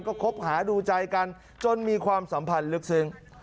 ก็คบหาดูใจกันจนมีความสัมพันธ์ลึกซึ้ง